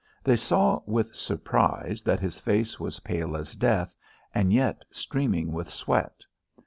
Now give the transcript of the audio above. They saw with surprise that his face was pale as death, and yet streaming with sweat.